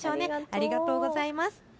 ありがとうございます。